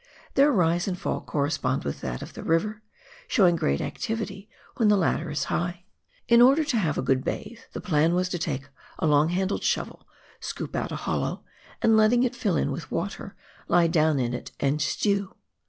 Their rise and fall correspond with that of the river, showing great activity when the latter is high. In order to have a good bathe, the plan was to take a long handled shovel, scoop out a hollow, and letting it fill with water, lie down in it and stew.